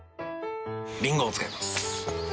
リンゴを使います。